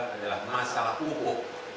adalah masalah pupuk